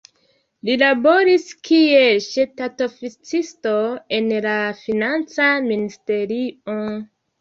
Li laboris kiel ŝtatoficisto en la financa ministerio.